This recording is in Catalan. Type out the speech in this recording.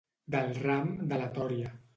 Del ram de la tòria.